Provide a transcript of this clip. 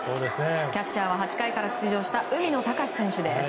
キャッチャーは８回から出場した海野隆司選手です。